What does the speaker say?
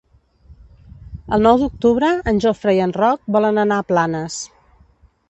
El nou d'octubre en Jofre i en Roc volen anar a Planes.